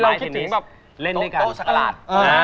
เราคิดถึงแบบโต๊ะสักกะหลาด